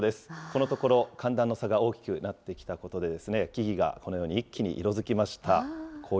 このところ、寒暖の差が大きくなってきたことで、木々がこのように一気に色づきました。